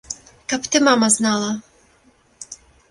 Каб ты, мама, знала!